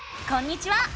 こんにちは！